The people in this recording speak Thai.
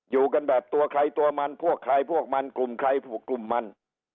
อยู่กันแบบตัวใครตัวมันพวกใครพวกมันกลุ่มใครพวกกลุ่มมัน